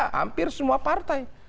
hampir semua partai